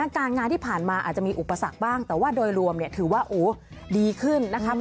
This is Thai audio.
การงานที่ผ่านมาอาจจะมีอุปสรรคบ้างแต่ว่าโดยรวมถือว่าดีขึ้นนะครับ